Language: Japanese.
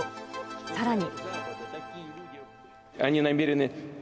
さらに。